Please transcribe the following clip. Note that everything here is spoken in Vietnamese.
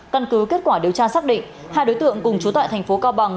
căn cứ kết quả điều tra xác định hai đối tượng cùng chú tại thành phố cao bằng